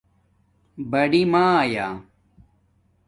بڑئ مْآیا